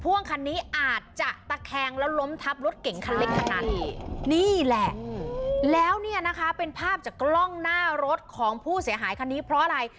พ่วงคันนี้อาจจะตะแคงแล้วล้มทับรถเก่งคันเล็กคันนั้นนี่แหละแล้วเนี่ยนะคะเป็นภาพจากกล้องหน้ารถของผู้เสียหายคันนี้เพราะอะไร